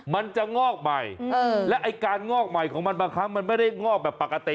มันจะงอกใหม่และไอ้การงอกใหม่ของมันบางครั้งมันไม่ได้งอกแบบปกติ